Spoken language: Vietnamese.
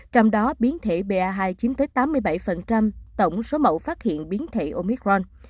trong đó biến thể ba hai chiếm tới tám mươi bảy tổng số mẫu phát hiện biến thể omicron